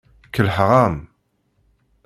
Kellḥeɣ-am.